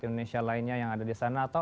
indonesia lainnya yang ada disana atau